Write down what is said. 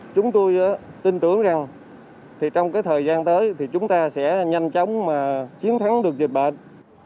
chúng tôi tin tưởng rằng trong cái thời gian tới thì chúng ta sẽ nhanh chóng mà chiến thắng được dịch bệnh